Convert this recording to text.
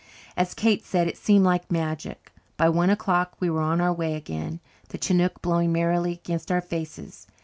As Kate said, it seemed like magic. By one o'clock we were on our way again, the chinook blowing merrily against our faces.